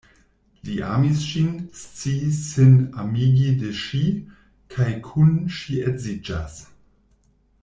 Li amis ŝin, sciis sin amigi de ŝi, kaj kun ŝi edziĝas.